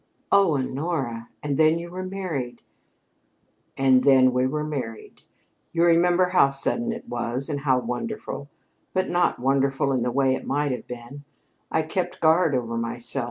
"Oh, Honora! And then you were married?" "And then we were married. You remember how sudden it was, and how wonderful; but not wonderful in the way it might have been. I kept guard over myself.